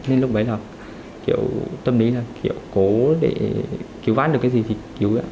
nên lúc đấy là kiểu tâm lý là kiểu cố để cứu ván được cái gì thì cứu